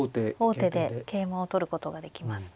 王手で桂馬を取ることができますね。